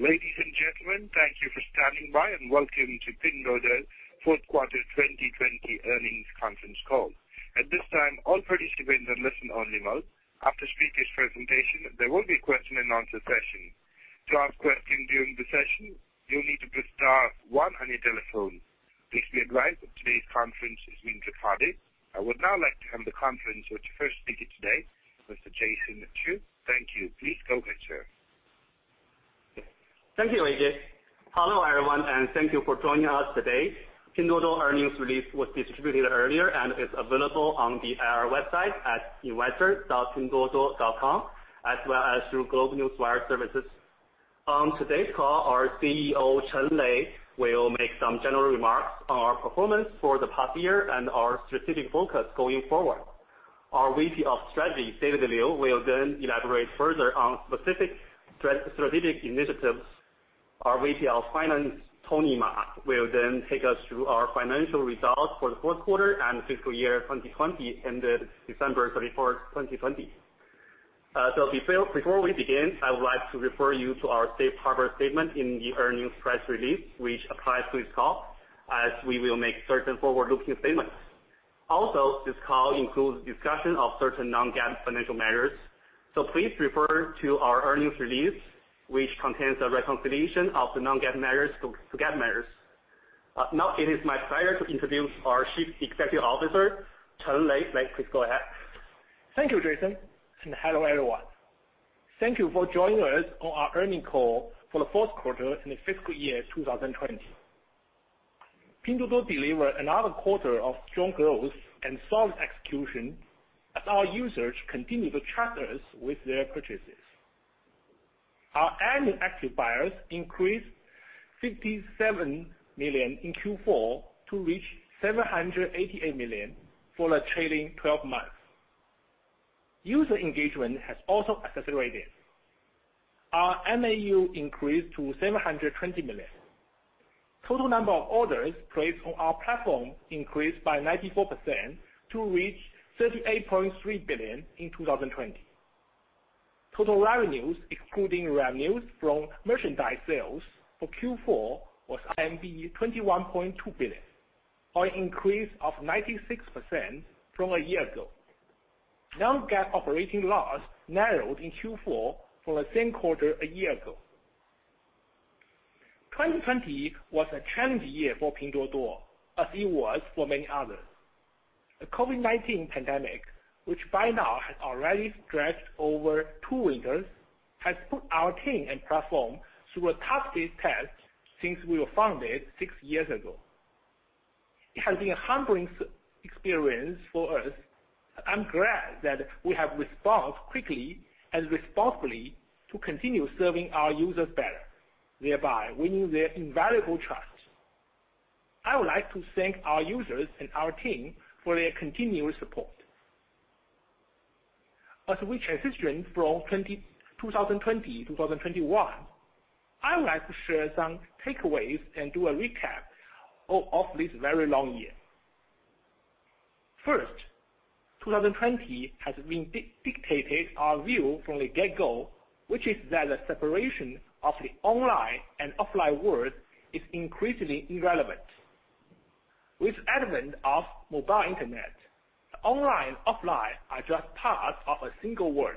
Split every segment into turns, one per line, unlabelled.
Ladies and gentlemen, thank you for standing by and welcome to Pinduoduo fourth quarter 2020 earnings conference call. At this time, all participants are in listen-only mode. After the speakers' presentation, there will be a question-and-answer session. To ask a question during the session, you'll need to press star one on your telephone. Please be advised that today's conference is being recorded. I would now like to hand the conference to the first speaker today, Mr. Jason Shu. Thank you. Please go ahead, sir.
Thank you, AJ. Hello, everyone, and thank you for joining us today. Pinduoduo earnings release was distributed earlier and is available on the IR website at investor.pinduoduo.com, as well as through GlobeNewswire services. On today's call, our CEO, Chen Lei, will make some general remarks on our performance for the past year and our strategic focus going forward. Our VP of Strategy, David Liu, will elaborate further on specific strategic initiatives. Our VP of Finance, Tony Ma, will take us through our financial results for the fourth quarter and fiscal year 2020, ended December 31st, 2020. Before we begin, I would like to refer you to our safe harbor statement in the earnings press release, which applies to this call, as we will make certain forward-looking statements. Also, this call includes discussion of certain non-GAAP financial measures, so please refer to our earnings release, which contains a reconciliation of the non-GAAP measures to GAAP measures. Now it is my pleasure to introduce our Chief Executive Officer, Chen Lei. Lei, please go ahead.
Thank you, Jason, and hello, everyone. Thank you for joining us on our earnings call for the fourth quarter in the fiscal year 2020. Pinduoduo delivered another quarter of strong growth and solid execution as our users continue to trust us with their purchases. Our annual active buyers increased 57 million in Q4 to reach 788 million for the trailing 12 months. User engagement has also accelerated. Our MAU increased to 720 million. Total number of orders placed on our platform increased by 94% to reach 38.3 billion in 2020. Total revenues, excluding revenues from merchandise sales for Q4, was 21.2 billion, or an increase of 96% from a year ago. Non-GAAP operating loss narrowed in Q4 from the same quarter a year ago. 2020 was a challenging year for Pinduoduo, as it was for many others. The COVID-19 pandemic, which by now has already stretched over two winters, has put our team and platform through a toughest test since we were founded six years ago. It has been a humbling experience for us. I'm glad that we have responded quickly and responsibly to continue serving our users better, thereby winning their invaluable trust. I would like to thank our users and our team for their continuous support. As we transition from 2020 to 2021, I would like to share some takeaways and do a recap of this very long year. First, 2020 has vindicated our view from the get-go, which is that the separation of the online and offline world is increasingly irrelevant. With the advent of mobile internet, online, offline are just parts of a single world,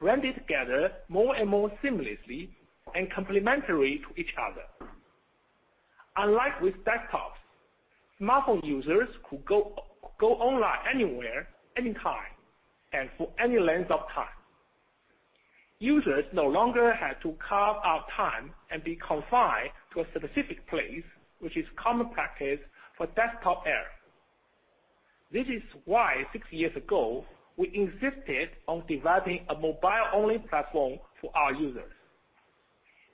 blended together more and more seamlessly and complementary to each other. Unlike with desktops, smartphone users could go online anywhere, anytime, and for any length of time. Users no longer have to carve out time and be confined to a specific place, which is common practice for desktop era. This is why six years ago, we insisted on developing a mobile-only platform for our users.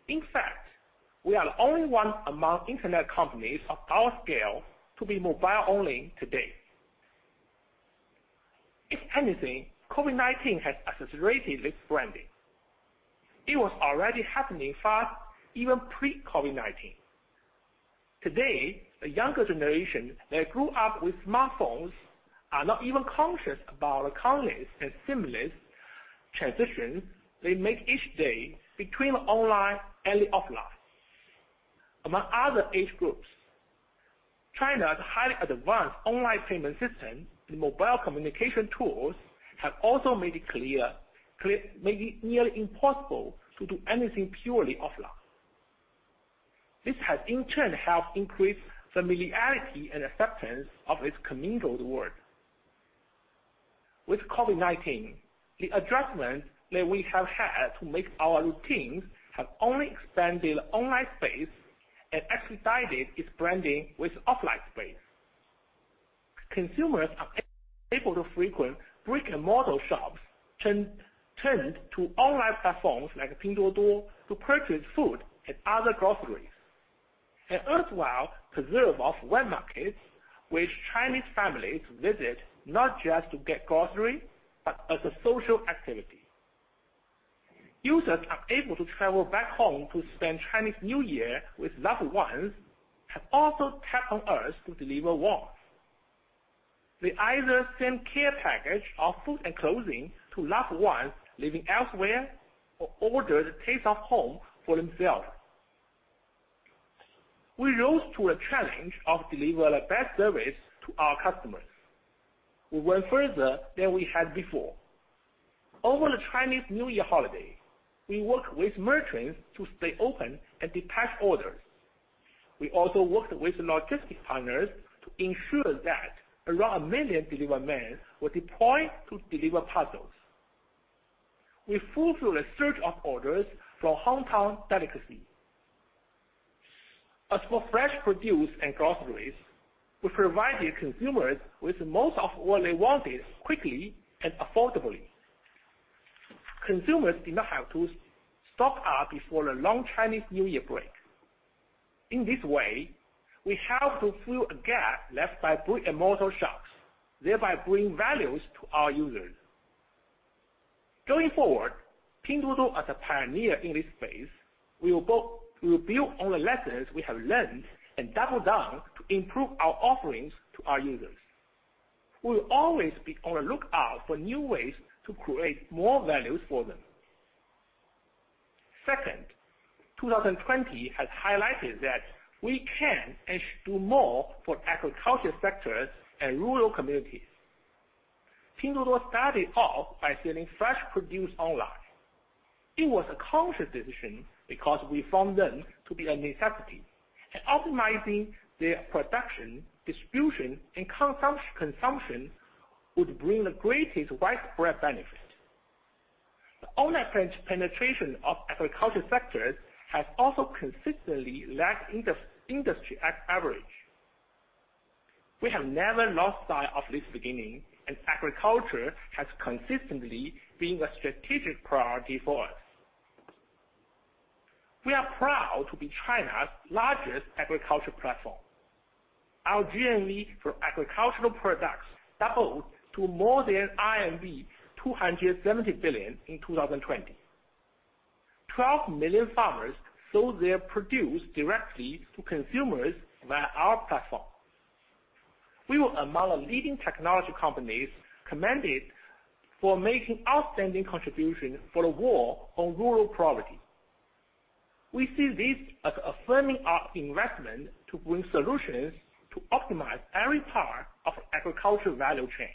In fact, we are the only one among internet companies of our scale to be mobile-only to date. If anything, COVID-19 has accelerated this blending. It was already happening fast, even pre-COVID-19. Today, the younger generation that grew up with smartphones are not even conscious about the countless and seamless transition they make each day between online and the offline. Among other age groups, China's highly advanced online payment system and mobile communication tools have also made it nearly impossible to do anything purely offline. This has in turn helped increase familiarity and acceptance of this commingled world. With COVID-19, the adjustments that we have had to make our routines have only expanded online space and exercised its blending with offline space. Consumers are able to frequent brick-and-mortar shops turned to online platforms like Pinduoduo to purchase food and other groceries, and erstwhile preserve of wet markets which Chinese families visit not just to get grocery, but as a social activity. Users unable to travel back home to spend Chinese New Year with loved ones have also tapped on us to deliver warmth. They either send care package of food and clothing to loved ones living elsewhere or order the taste of home for themselves. We rose to a challenge of deliver the best service to our customers. We went further than we had before. Over the Chinese New Year holiday, we worked with merchants to stay open and dispatch orders. We also worked with logistic partners to ensure that around a million delivery men were deployed to deliver parcels. We fulfilled a surge of orders from hometown delicacy. As for fresh produce and groceries, we provided consumers with most of what they wanted quickly and affordably. Consumers did not have to stock up before a long Chinese New Year break. In this way, we helped to fill a gap left by brick-and-mortar shops, thereby bring values to our users. Going forward, Pinduoduo as a pioneer in this space, we will build on the lessons we have learned and double down to improve our offerings to our users. We will always be on the lookout for new ways to create more values for them. Second, 2020 has highlighted that we can and should do more for agriculture sectors and rural communities. Pinduoduo started off by selling fresh produce online. It was a conscious decision because we found them to be a necessity, and optimizing their production, distribution, and consumption would bring the greatest widespread benefit. The online penetration of agriculture sectors has also consistently lagged industry at average. We have never lost sight of this beginning. Agriculture has consistently been a strategic priority for us. We are proud to be China's largest agriculture platform. Our GMV for agricultural products doubled to more than 270 billion in 2020. 12 million farmers sold their produce directly to consumers via our platform. We were among the leading technology companies commended for making outstanding contribution for the war on rural poverty. We see this as affirming our investment to bring solutions to optimize every part of agriculture value chain.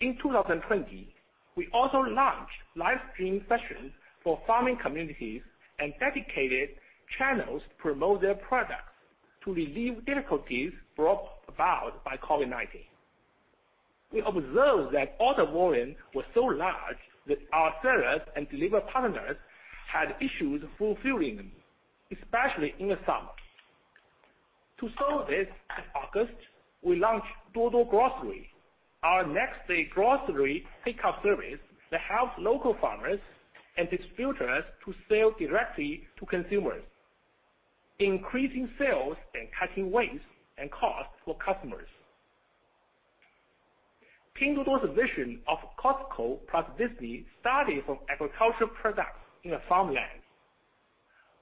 In 2020, we also launched live stream sessions for farming communities and dedicated channels to promote their products to relieve difficulties brought about by COVID-19. We observed that order volume was so large that our sellers and delivery partners had issues fulfilling them, especially in the summer. To solve this, in August, we launched Duo Duo Grocery, our next-day grocery pickup service that helps local farmers and distributors to sell directly to consumers, increasing sales and cutting waste and costs for customers. Pinduoduo's vision of Costco plus Disney started from agriculture products in the farmland.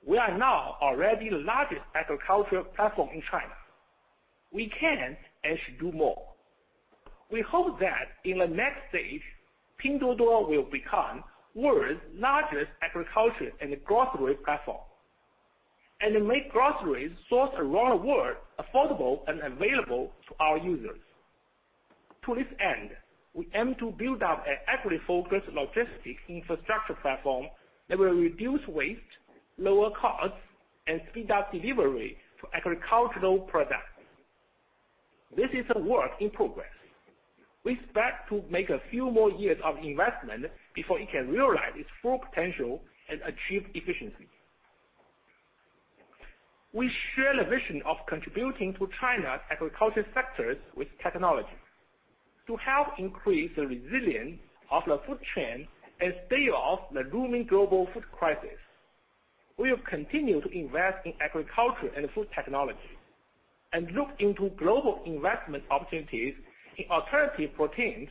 We are now already the largest agriculture platform in China. We can and should do more. We hope that in the next stage, Pinduoduo will become world's largest agriculture and grocery platform, and make groceries sourced around the world affordable and available to our users. To this end, we aim to build up an agri-focused logistics infrastructure platform that will reduce waste, lower costs, and speed up delivery for agricultural products. This is a work in progress. We expect to make a few more years of investment before it can realize its full potential and achieve efficiency. We share the vision of contributing to China's agriculture sectors with technology to help increase the resilience of the food chain and stave off the looming global food crisis. We will continue to invest in agriculture and food technology and look into global investment opportunities in alternative proteins,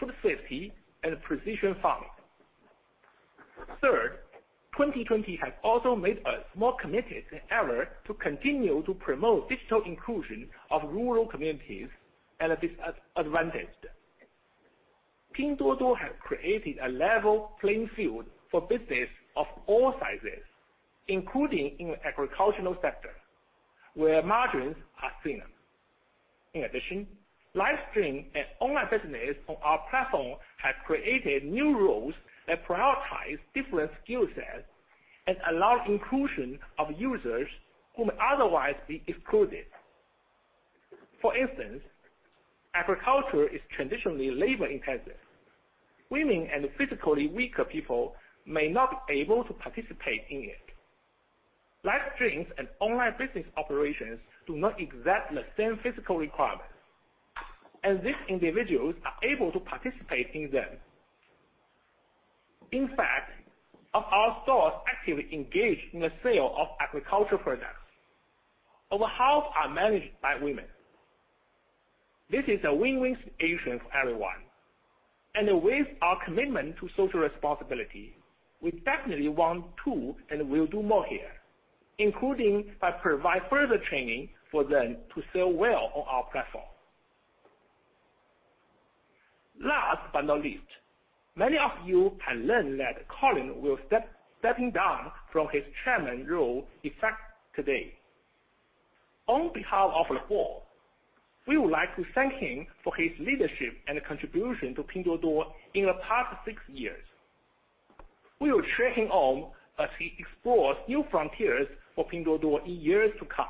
food safety, and precision farming. 2020 has also made us more committed than ever to continue to promote digital inclusion of rural communities and disadvantaged. Pinduoduo has created a level playing field for business of all sizes, including in the agricultural sector, where margins are thinner. Live stream and online business on our platform have created new roles that prioritize different skill sets and allow inclusion of users who might otherwise be excluded. Agriculture is traditionally labor-intensive. Women and physically weaker people may not be able to participate in it. Live streams and online business operations do not exact the same physical requirements, and these individuals are able to participate in them. In fact, our stores actively engaged in the sale of agriculture products, over half are managed by women. This is a win-win situation for everyone. With our commitment to social responsibility, we definitely want to and will do more here, including provide further training for them to sell well on our platform. Last but not least, many of you have learned that Colin stepping down from his chairman role effective today. On behalf of the board, we would like to thank him for his leadership and contribution to Pinduoduo in the past six years. We will cheer him on as he explores new frontiers for Pinduoduo in years to come.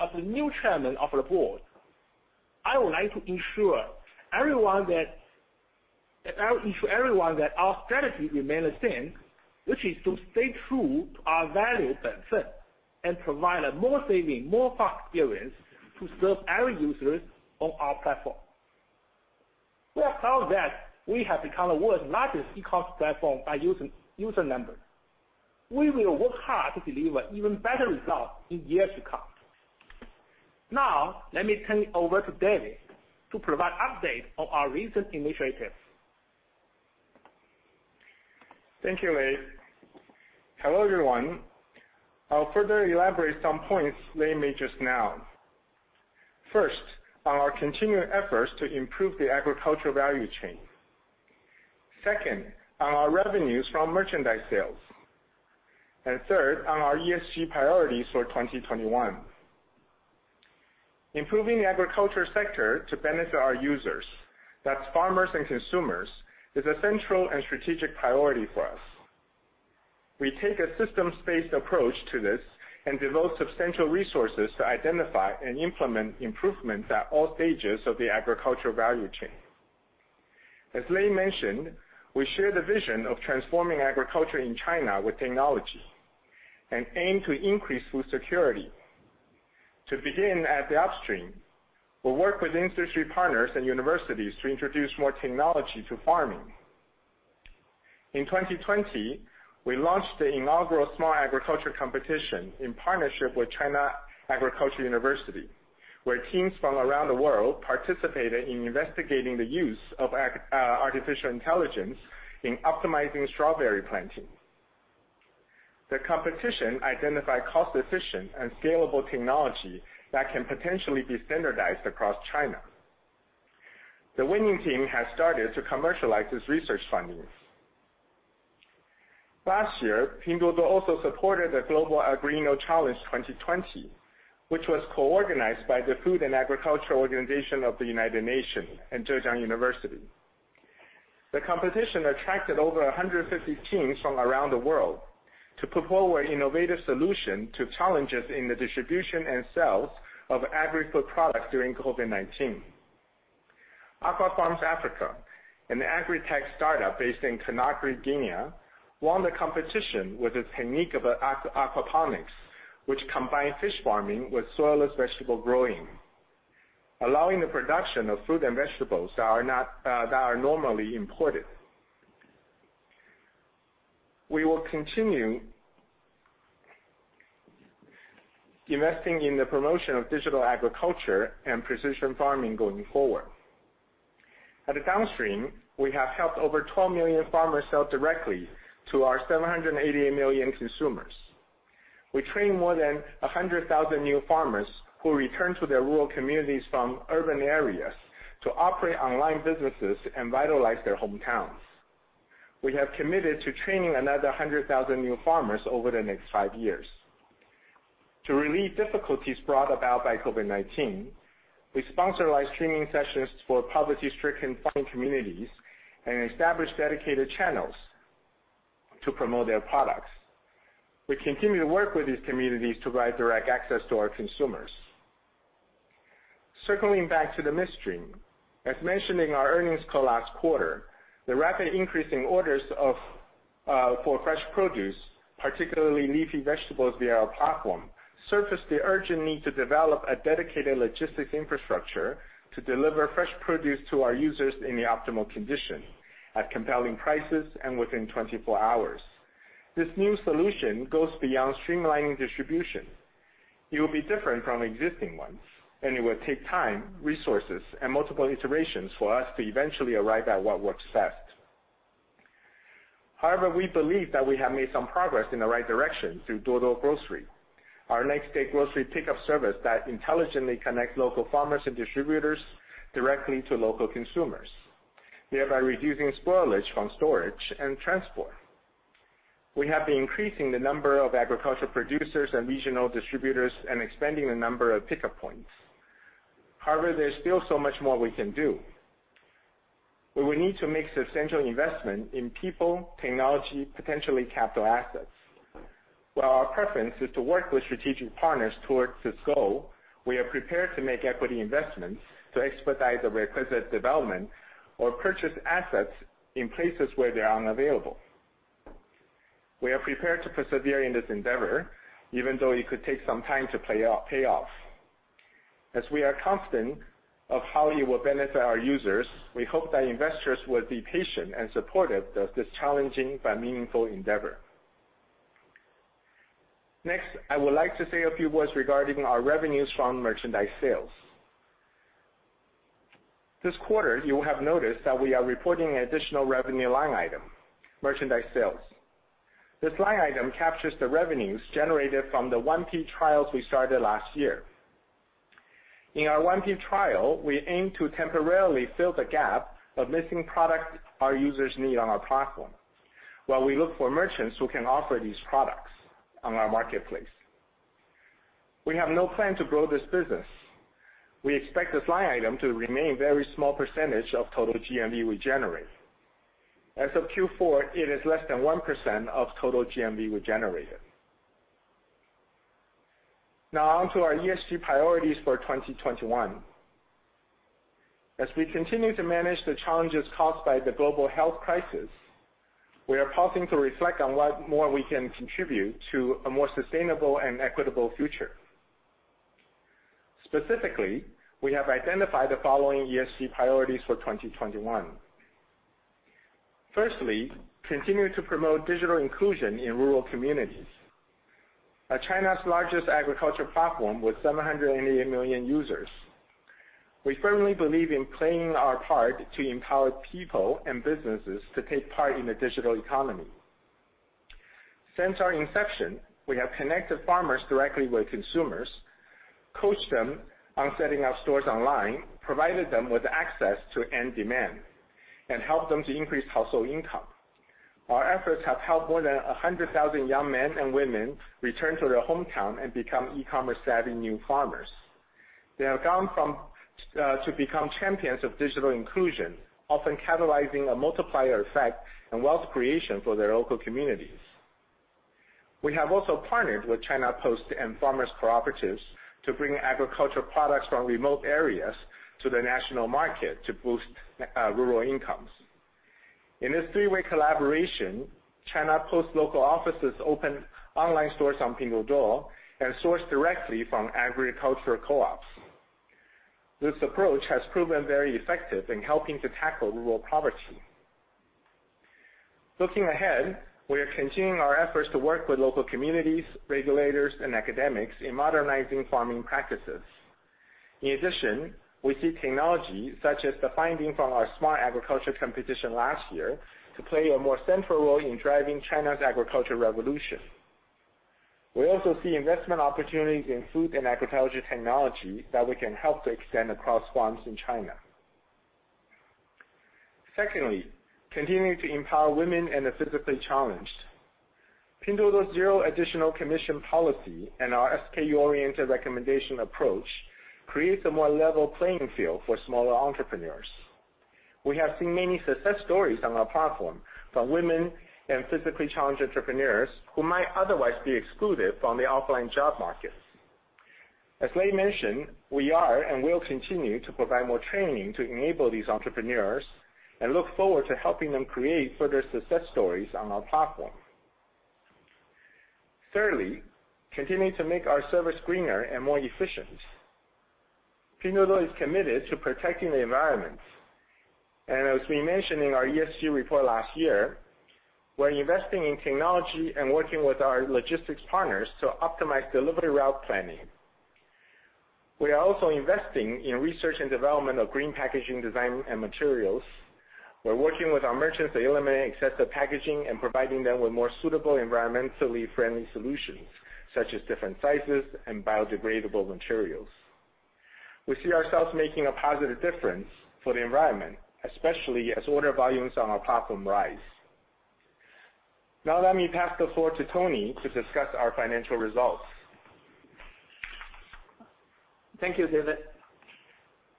As the new Chairman of the board, I will ensure everyone that our strategy remains the same, which is to stay true to our value benefit and provide a more saving, more fun experience to serve our users on our platform. We are proud that we have become the world's largest e-commerce platform by user number. We will work hard to deliver even better results in years to come. Let me turn it over to David to provide update on our recent initiatives.
Thank you, Lei. Hello, everyone. I'll further elaborate some points Lei made just now. First, on our continuing efforts to improve the agricultural value chain. Second, on our revenues from merchandise sales. Third, on our ESG priorities for 2021. Improving the agriculture sector to benefit our users, that's farmers and consumers, is a central and strategic priority for us. We take a systems-based approach to this and devote substantial resources to identify and implement improvements at all stages of the agricultural value chain. As Lei mentioned, we share the vision of transforming agriculture in China with technology and aim to increase food security. To begin at the upstream, we'll work with industry partners and universities to introduce more technology to farming. In 2020, we launched the inaugural Smart Agriculture Competition in partnership with China Agricultural University, where teams from around the world participated in investigating the use of artificial intelligence in optimizing strawberry planting. The competition identified cost-efficient and scalable technology that can potentially be standardized across China. The winning team has started to commercialize its research findings. Last year, Pinduoduo also supported the Global AgriInno Challenge 2020, which was co-organized by the Food and Agriculture Organization of the United Nations and Zhejiang University. The competition attracted over 150 teams from around the world to propose an innovative solution to challenges in the distribution and sales of agri-food products during COVID-19. AquaFarms Africa, an agri-tech startup based in Conakry, Guinea, won the competition with its technique of aquaponics, which combine fish farming with soilless vegetable growing, allowing the production of fruit and vegetables that are not that are normally imported. We will continue investing in the promotion of digital agriculture and precision farming going forward. At the downstream, we have helped over 12 million farmers sell directly to our 788 million consumers. We train more than 100,000 new farmers who return to their rural communities from urban areas to operate online businesses and vitalize their hometowns. We have committed to training another 100,000 new farmers over the next five years. To relieve difficulties brought about by COVID-19, we sponsor live streaming sessions for poverty-stricken farming communities and establish dedicated channels to promote their products. We continue to work with these communities to provide direct access to our consumers. Circling back to the midstream, as mentioned in our earnings call last quarter, the rapid increase in orders for fresh produce, particularly leafy vegetables via our platform, surfaced the urgent need to develop a dedicated logistics infrastructure to deliver fresh produce to our users in the optimal condition at compelling prices and within 24 hours. This new solution goes beyond streamlining distribution. It will be different from existing ones, and it will take time, resources, and multiple iterations for us to eventually arrive at what works best. However, we believe that we have made some progress in the right direction through Duo Duo Grocery, our next-day grocery pickup service that intelligently connect local farmers and distributors directly to local consumers, thereby reducing spoilage from storage and transport. We have been increasing the number of agriculture producers and regional distributors and expanding the number of pickup points. However, there's still so much more we can do. We will need to make substantial investment in people, technology, potentially capital assets. While our preference is to work with strategic partners towards this goal, we are prepared to make equity investments to expedite the requisite development or purchase assets in places where they are unavailable. We are prepared to persevere in this endeavor, even though it could take some time to pay off. As we are confident of how it will benefit our users, we hope that investors will be patient and supportive of this challenging but meaningful endeavor. Next, I would like to say a few words regarding our revenues from merchandise sales. This quarter, you will have noticed that we are reporting an additional revenue line item, merchandise sales. This line item captures the revenues generated from the 1P trials we started last year. In our 1P trial, we aim to temporarily fill the gap of missing product our users need on our platform while we look for merchants who can offer these products on our marketplace. We have no plan to grow this business. We expect this line item to remain very small percentage of total GMV we generate. As of Q4, it is less than 1% of total GMV we generated. Now onto our ESG priorities for 2021. As we continue to manage the challenges caused by the global health crisis, we are pausing to reflect on what more we can contribute to a more sustainable and equitable future. Specifically, we have identified the following ESG priorities for 2021. Firstly, continue to promote digital inclusion in rural communities. As China's largest agriculture platform with 780 million users, we firmly believe in playing our part to empower people and businesses to take part in the digital economy. Since our inception, we have connected farmers directly with consumers, coached them on setting up stores online, provided them with access to end demand, and helped them to increase household income. Our efforts have helped more than 100,000 young men and women return to their hometown and become e-commerce-savvy new farmers. They have gone to become champions of digital inclusion, often catalyzing a multiplier effect and wealth creation for their local communities. We have also partnered with China Post and farmers' cooperatives to bring agricultural products from remote areas to the national market to boost rural incomes. In this three-way collaboration, China Post local offices opened online stores on Pinduoduo and source directly from agriculture co-ops. This approach has proven very effective in helping to tackle rural poverty. Looking ahead, we are continuing our efforts to work with local communities, regulators, and academics in modernizing farming practices. In addition, we see technology, such as the finding from our Smart Agriculture Competition last year, to play a more central role in driving China's agriculture revolution. We also see investment opportunities in food and agriculture technology that we can help to extend across farms in China. Secondly, continuing to empower women and the physically challenged. Pinduoduo's zero additional commission policy and our SKU-oriented recommendation approach creates a more level playing field for smaller entrepreneurs. We have seen many success stories on our platform from women and physically challenged entrepreneurs who might otherwise be excluded from the offline job markets. As Lei mentioned, we are and will continue to provide more training to enable these entrepreneurs and look forward to helping them create further success stories on our platform. Thirdly, continuing to make our service greener and more efficient. Pinduoduo is committed to protecting the environment. As we mentioned in our ESG report last year, we're investing in technology and working with our logistics partners to optimize delivery route planning. We are also investing in research and development of green packaging design and materials. We're working with our merchants to eliminate excessive packaging and providing them with more suitable environmentally friendly solutions, such as different sizes and biodegradable materials. We see ourselves making a positive difference for the environment, especially as order volumes on our platform rise. Now let me pass the floor to Tony to discuss our financial results.
Thank you, David.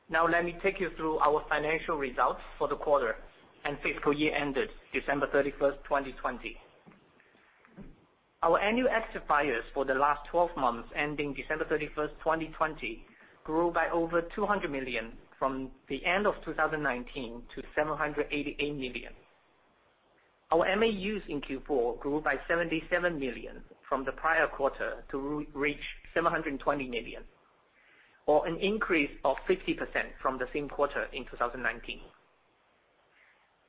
Let me take you through our financial results for the quarter and fiscal year ended December 31st, 2020. Our annual active buyers for the last 12 months ending December 31st, 2020, grew by over 200 million from the end of 2019 to 788 million. Our MAUs in Q4 grew by 77 million from the prior quarter to reach 720 million, or an increase of 50% from the same quarter in 2019.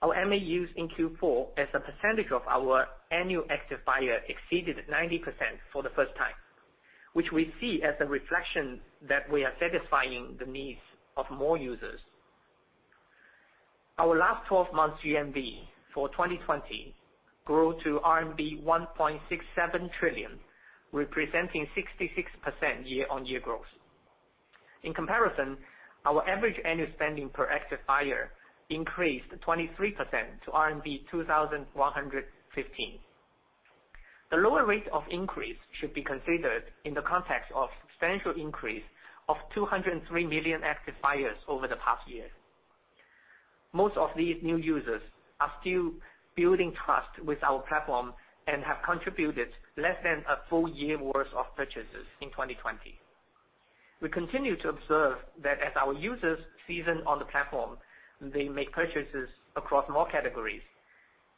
Our MAUs in Q4, as a percentage of our annual active buyer, exceeded 90% for the first time, which we see as a reflection that we are satisfying the needs of more users. Our last 12 months GMV for 2020 grew to RMB 1.67 trillion, representing 66% year-on-year growth. In comparison, our average annual spending per active buyer increased 23% to RMB 2,115. The lower rate of increase should be considered in the context of substantial increase of 203 million active buyers over the past year. Most of these new users are still building trust with our platform and have contributed less than a full year worth of purchases in 2020. We continue to observe that as our users season on the platform, they make purchases across more categories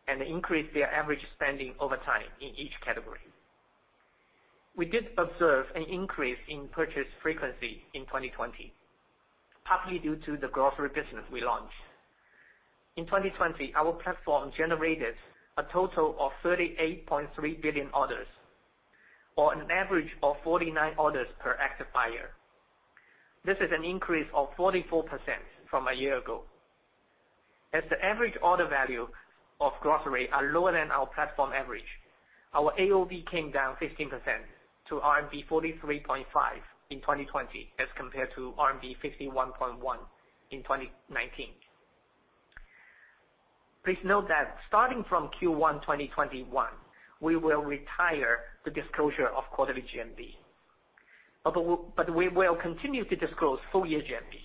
and increase their average spending over time in each category. We did observe an increase in purchase frequency in 2020, partly due to the grocery business we launched. In 2020, our platform generated a total of 38.3 billion orders or an average of 49 orders per active buyer. This is an increase of 44% from a year ago. As the average order value of grocery are lower than our platform average, our AOV came down 15% to RMB 43.5 in 2020 as compared to RMB 51.1 in 2019. Please note that starting from Q1 2021, we will retire the disclosure of quarterly GMV. We will continue to disclose full year GMV,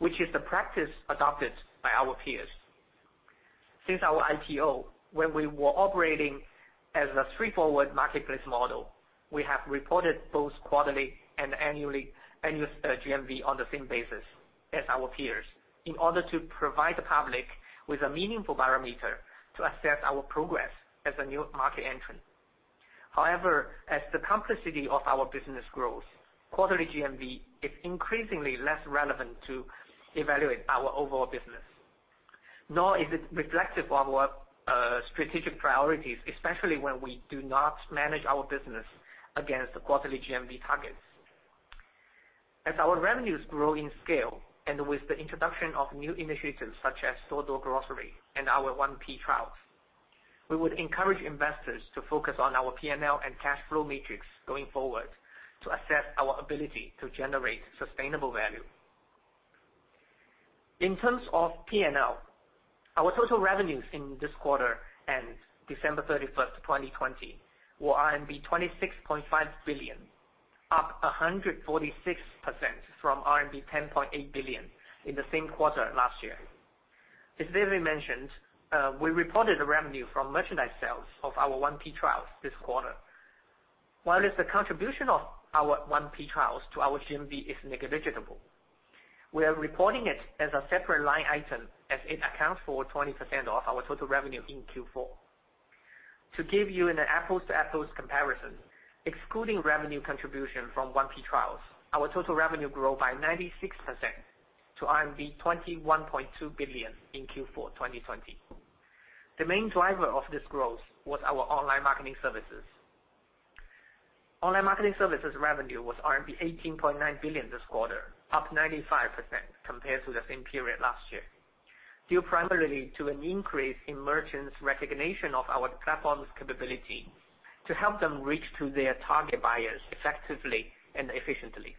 which is the practice adopted by our peers. Since our IPO, when we were operating as a straightforward marketplace model, we have reported both quarterly and annually GMV on the same basis as our peers in order to provide the public with a meaningful barometer to assess our progress as a new market entrant. As the complexity of our business grows, quarterly GMV is increasingly less relevant to evaluate our overall business, nor is it reflective of our strategic priorities, especially when we do not manage our business against the quarterly GMV targets. As our revenues grow in scale and with the introduction of new initiatives such as Duo Duo Grocery and our 1P trials, we would encourage investors to focus on our P&L and cash flow metrics going forward to assess our ability to generate sustainable value. In terms of P&L, our total revenues in this quarter end December 31, 2020 were RMB 26.5 billion, up 146% from RMB 10.8 billion in the same quarter last year. As David mentioned, we reported the revenue from merchandise sales of our 1P trials this quarter. While as the contribution of our 1P trials to our GMV is negligible, we are reporting it as a separate line item as it accounts for 20% of our total revenue in Q4. To give you an apples-to-apples comparison, excluding revenue contribution from 1P trials, our total revenue grew by 96% to RMB 21.2 billion in Q4, 2020. The main driver of this growth was our online marketing services. Online marketing services revenue was RMB 18.9 billion this quarter, up 95% compared to the same period last year, due primarily to an increase in merchants' recognition of our platform's capability to help them reach to their target buyers effectively and efficiently.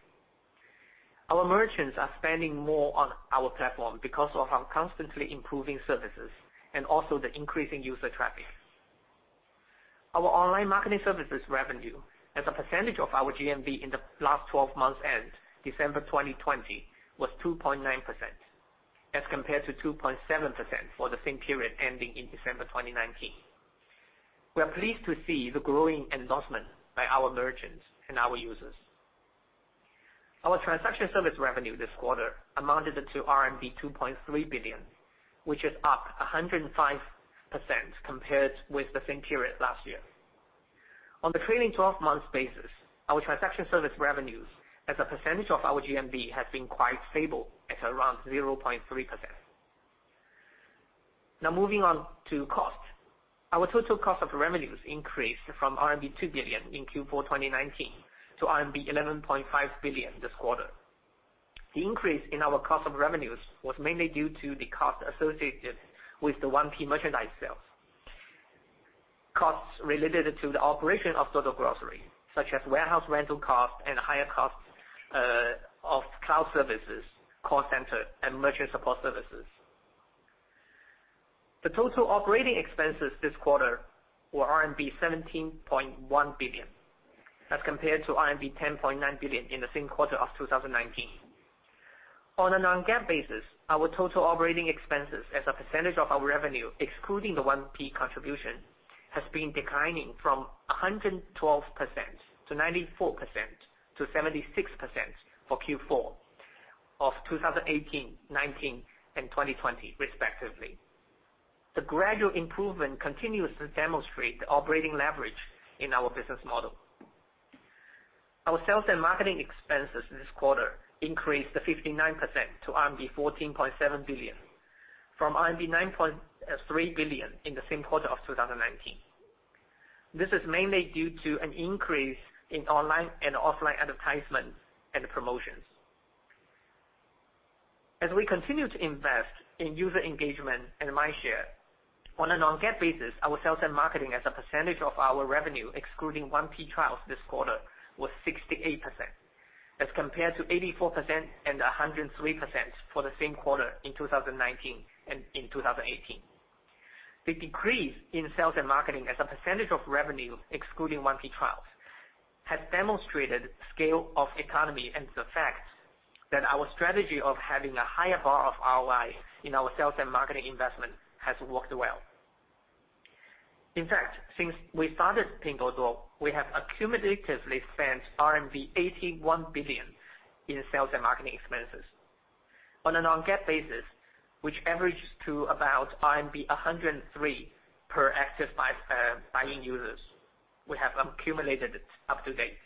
Our merchants are spending more on our platform because of our constantly improving services and also the increasing user traffic. Our online marketing services revenue as a percentage of our GMV in the last 12 months end December 2020 was 2.9% as compared to 2.7% for the same period ending in December 2019. We are pleased to see the growing endorsement by our merchants and our users. Our transaction service revenue this quarter amounted to RMB 2.3 billion, which is up 105% compared with the same period last year. On the trailing 12 months basis, our transaction service revenues as a percentage of our GMV has been quite stable at around 0.3%. Moving on to cost. Our total cost of revenues increased from RMB 2 billion in Q4 2019 to RMB 11.5 billion this quarter. The increase in our cost of revenues was mainly due to the cost associated with the 1P merchandise sales. Costs related to the operation of Duo Duo Grocery, such as warehouse rental costs and higher costs of cloud services, call center, and merchant support services. The total operating expenses this quarter were RMB 17.1 billion as compared to RMB 10.9 billion in the same quarter of 2019. On a non-GAAP basis, our total operating expenses as a percentage of our revenue, excluding the 1P contribution, has been declining from 112% to 94% to 76% for Q4 of 2018, 2019, and 2020 respectively. The gradual improvement continues to demonstrate the operating leverage in our business model. Our sales and marketing expenses this quarter increased to 59% to RMB 14.7 billion from RMB 9.3 billion in the same quarter of 2019. This is mainly due to an increase in online and offline advertisements and promotions. As we continue to invest in user engagement and mindshare, on a non-GAAP basis, our sales and marketing as a percentage of our revenue, excluding 1P trials this quarter, was 68% as compared to 84% and 103% for the same quarter in 2019 and in 2018. The decrease in sales and marketing as a percentage of revenue, excluding 1P trials, has demonstrated scale of economy and the fact that our strategy of having a higher bar of ROI in our sales and marketing investment has worked well. In fact, since we started Pinduoduo, we have accumulatively spent RMB 81 billion in sales and marketing expenses. On a non-GAAP basis, which averages to about RMB 103 per active buying users we have accumulated up to date.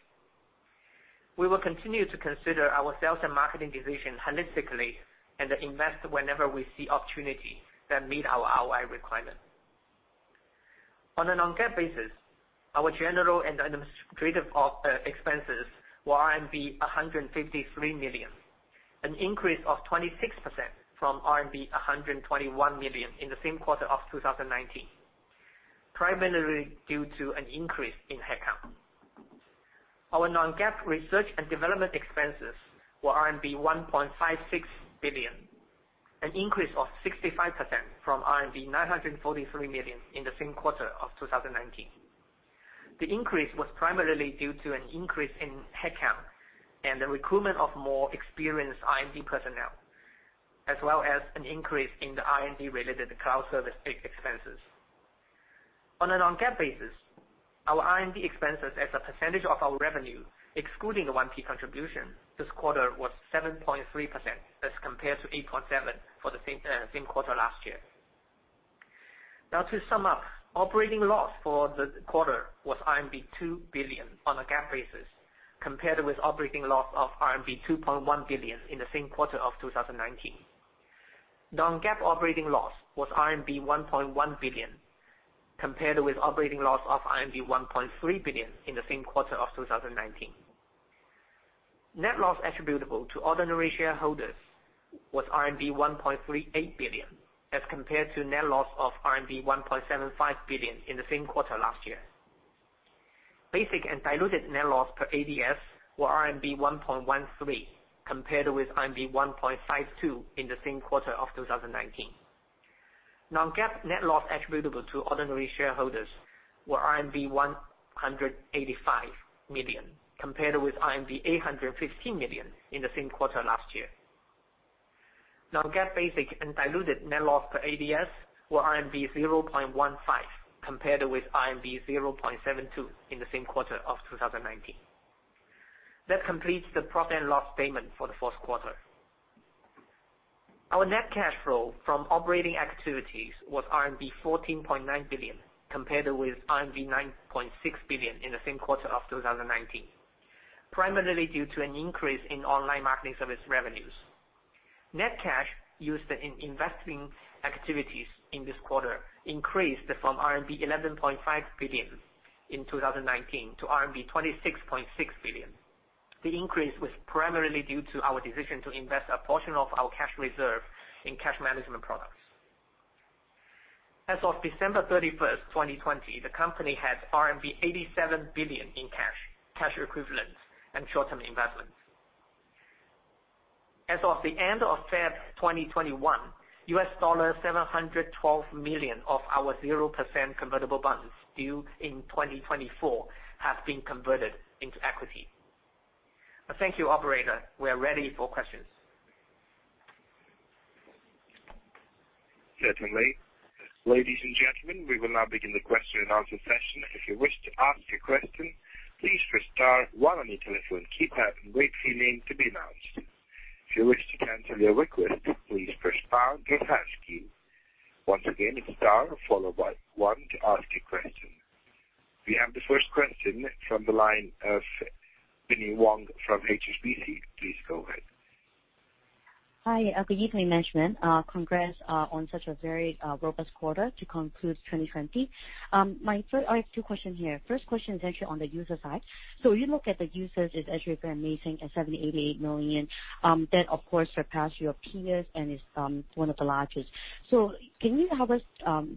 We will continue to consider our sales and marketing division holistically and invest whenever we see opportunity that meet our ROI requirement. On a non-GAAP basis, our general and administrative expenses were RMB 153 million, an increase of 26% from RMB 121 million in the same quarter of 2019, primarily due to an increase in headcount. Our non-GAAP research and development expenses were RMB 1.56 billion, an increase of 65% from RMB 943 million in the same quarter of 2019. The increase was primarily due to an increase in headcount and the recruitment of more experienced R&D personnel, as well as an increase in the R&D-related cloud service expenses. On a non-GAAP basis, our R&D expenses as a percentage of our revenue, excluding the 1P contribution this quarter, was 7.3% as compared to 8.7% for the same quarter last year. Now, to sum up, operating loss for the quarter was RMB 2 billion on a GAAP basis, compared with operating loss of RMB 2.1 billion in the same quarter of 2019. Non-GAAP operating loss was RMB 1.1 billion, compared with operating loss of RMB 1.3 billion in the same quarter of 2019. Net loss attributable to ordinary shareholders was RMB 1.38 billion, as compared to net loss of RMB 1.75 billion in the same quarter last year. Basic and diluted net loss per ADS were RMB 1.13, compared with RMB 1.52 in the same quarter of 2019. Non-GAAP net loss attributable to ordinary shareholders were RMB 185 million, compared with RMB 815 million in the same quarter last year. Non-GAAP basic and diluted net loss per ADS were 0.15, compared with 0.72 in the same quarter of 2019. That completes the profit and loss statement for the fourth quarter. Our net cash flow from operating activities was RMB 14.9 billion, compared with RMB 9.6 billion in the same quarter of 2019, primarily due to an increase in online marketing service revenues. Net cash used in investing activities in this quarter increased from RMB 11.5 billion in 2019 to RMB 26.6 billion. The increase was primarily due to our decision to invest a portion of our cash reserve in cash management products. As of December 31, 2020, the company had RMB 87 billion in cash equivalents, and short-term investments. As of the end of Feb 2021, $712 million of our 0% convertible bonds due in 2024 have been converted into equity. Thank you, operator. We are ready for questions.
Certainly. Ladies and gentlemen, we will now begin the question and answer session. If you wish to ask a question, please press star one on your telephone keypad and wait for your name to be announced. If you wish to cancel your request, please press pound or hash key. Once again, it is star followed by one to ask a question. We have the first question from the line of Binnie Wong from HSBC. Please go ahead.
Hi, good evening, management. Congrats on such a very robust quarter to conclude 2020. I have two questions here. First question is actually on the user side. You look at the users is actually very amazing at 788 million. That of course surpassed your peers and is one of the largest. Can you help us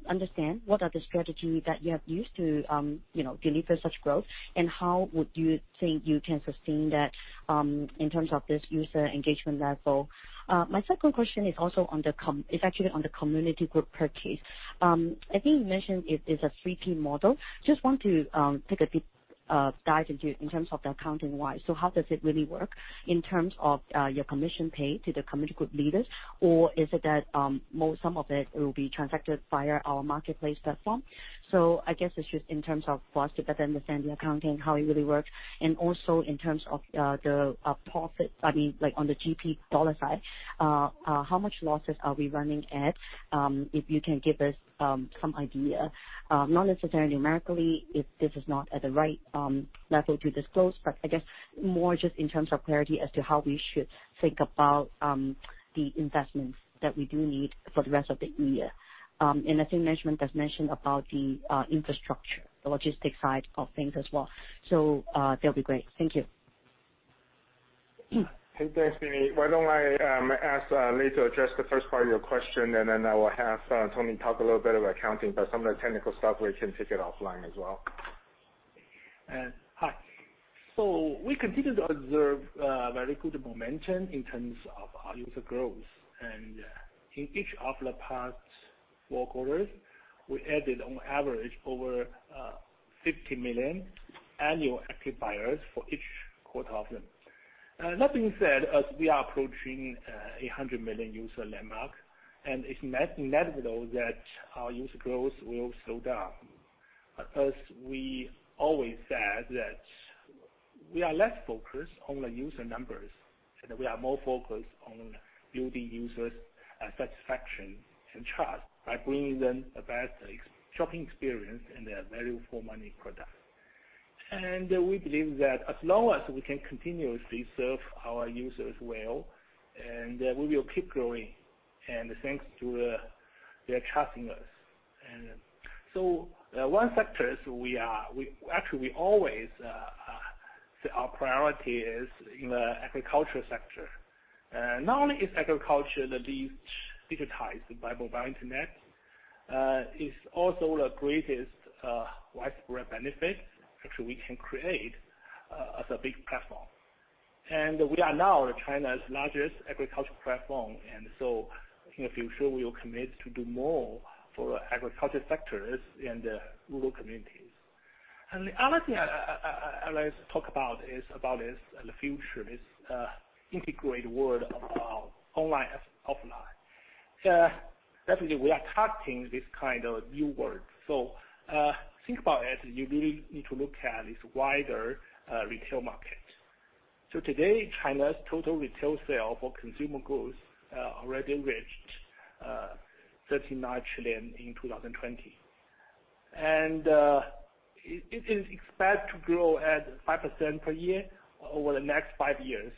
understand what are the strategy that you have used to, you know, deliver such growth, and how would you think you can sustain that in terms of this user engagement level? My second question is also on the community group purchase. I think you mentioned it is a three-tier model. Just want to take a deep dive into in terms of the accounting-wise. How does it really work in terms of your commission paid to the community group leaders? Or is it that most some of it will be transacted via our marketplace platform? I guess it's just in terms of for us to better understand the accounting, how it really works. Also in terms of the profit, I mean, like on the GP dollar side, how much losses are we running at? If you can give us some idea, not necessarily numerically, if this is not at the right level to disclose, but I guess more just in terms of clarity as to how we should think about the investments that we do need for the rest of the year. I think management has mentioned about the infrastructure, the logistics side of things as well. That'll be great. Thank you.
Hey, thanks, Binnie. Why don't I ask Lei to address the first part of your question, and then I will have Tony talk a little bit about accounting. Some of the technical stuff, we can take it offline as well.
Hi. We continue to observe very good momentum in terms of our user growth. In each of the past four quarters, we added on average over 50 million annual active buyers for each quarter of them. That being said, as we are approaching a 100 million user landmark, and it's natural that our user growth will slow down. As we always said that we are less focused on the user numbers. We are more focused on building users satisfaction and trust by bringing them a better shopping experience and a value-for-money product. We believe that as long as we can continuously serve our users well, we will keep growing. Thanks to their trusting us. One sector is we actually always say our priority is in the agriculture sector. Not only is agriculture the least digitized by mobile internet, it is also the greatest widespread benefit actually we can create as a big platform. We are now China's largest agriculture platform, in the future, we will commit to do more for agriculture sectors and rural communities. The other thing I like to talk about is about is in the future is integrate world of online/offline. Definitely, we are targeting this kind of new world. Think about it, you really need to look at this wider retail market. Today, China's total retail sale for consumer goods already reached RMB 39 trillion in 2020. It is expected to grow at 5% per year over the next five years.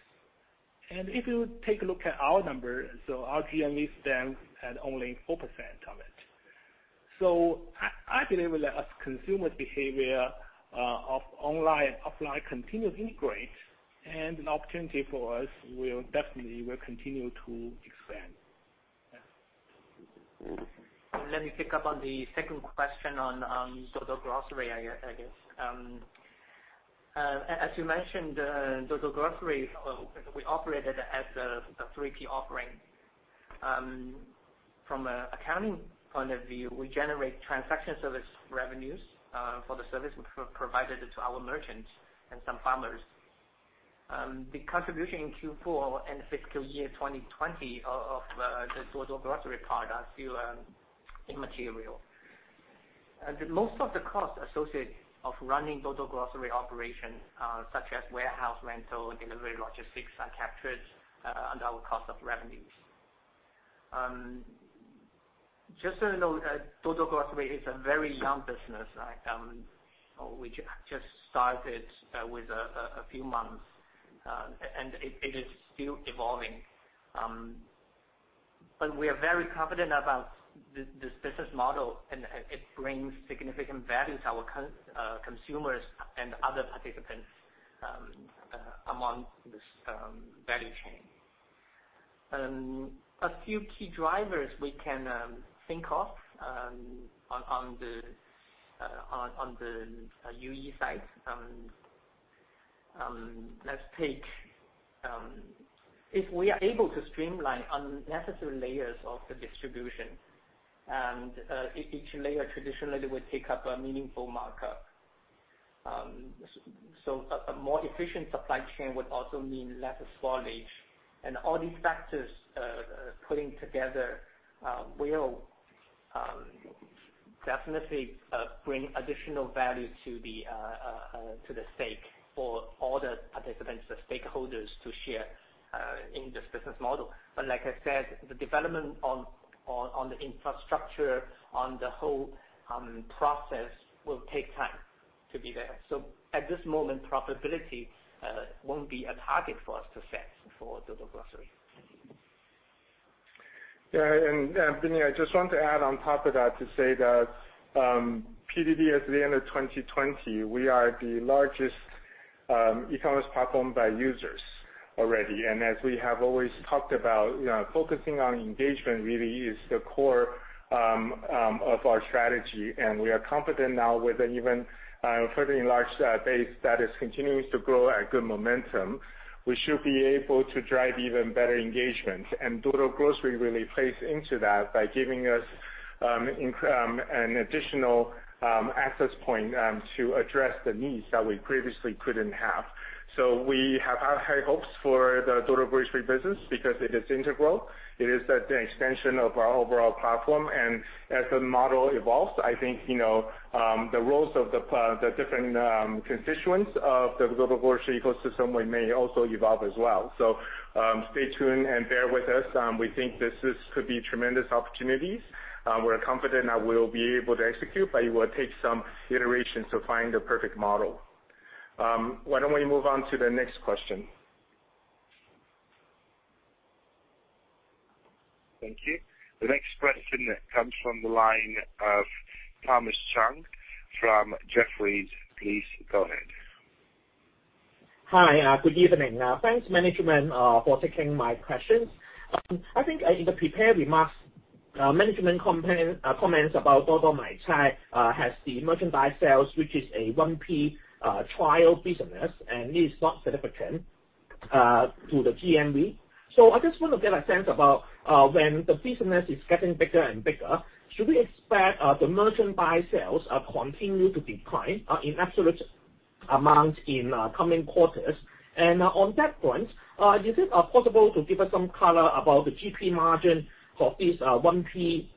If you take a look at our numbers, our GMV stands at only 4% of it. I believe as consumers' behavior of online/offline continue to integrate, and an opportunity for us will definitely continue to expand. Yeah.
Let me pick up on the second question on Duo Duo Grocery, I guess. As you mentioned, Duo Duo Grocery, we operate it as a 3P offering. From a accounting point of view, we generate transaction service revenues for the service we provided to our merchants and some farmers. The contribution in Q4 and fiscal year 2020 of the Duo Duo Grocery part are still immaterial. Most of the cost associated of running Duo Duo Grocery operation, such as warehouse rental, delivery logistics are captured under our cost of revenues. Just so you know, Duo Duo Grocery is a very young business, like, we just started with a few months, and it is still evolving. We are very confident about this business model and it brings significant values to our consumers and other participants among this value chain. A few key drivers we can think of on the UE side, let's take if we are able to streamline unnecessary layers of the distribution, each layer traditionally would take up a meaningful markup. A more efficient supply chain would also mean less spoilage. All these factors putting together will definitely bring additional value to the stake for all the participants, the stakeholders to share in this business model. Like I said, the development on the infrastructure, on the whole process will take time to be there. At this moment, profitability, won't be a target for us to set for Duo Duo Grocery.
Binnie, I just want to add on top of that to say that PDD at the end of 2020, we are the largest e-commerce platform by users already. As we have always talked about, you know, focusing on engagement really is the core of our strategy. We are confident now with an even further enlarged base that is continuing to grow at good momentum. We should be able to drive even better engagement. Duo Duo Grocery really plays into that by giving us an additional access point to address the needs that we previously couldn't have. We have our high hopes for the Duo Duo Grocery business because it is integral. It is the extension of our overall platform. As the model evolves, I think, you know, the roles of the different constituents of the Duo Duo Grocery ecosystem may also evolve as well. Stay tuned and bear with us. We think this is could be tremendous opportunities. We're confident that we'll be able to execute, but it will take some iterations to find the perfect model. Why don't we move on to the next question?
Thank you. The next question comes from the line of Thomas Chong from Jefferies. Please go ahead.
Hi, good evening. Thanks management for taking my questions. I think in the prepared remarks, management comments about Duo Duo Maicai has the merchandise sales, which is a 1P trial business and is not significant to the GMV. I just want to get a sense about when the business is getting bigger and bigger, should we expect the merchandise sales continue to decline in absolute amount in coming quarters? On that point, is it possible to give us some color about the GP margin of this 1P